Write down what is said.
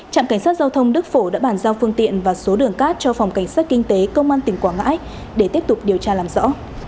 trạm cảnh sát giao thông đức phổ đã bàn giao phương tiện và số đường cát cho phòng cảnh sát kinh tế công an tỉnh quảng ngãi để tiếp tục điều tra làm rõ